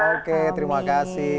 oke terima kasih